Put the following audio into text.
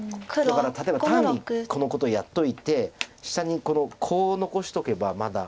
だから例えば単にこのことをやっといて下にコウを残しとけばまだ。